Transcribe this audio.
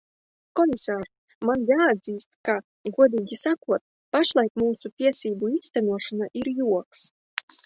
Komisār, man jāatzīst, ka, godīgi sakot, pašlaik mūsu tiesību īstenošana ir joks.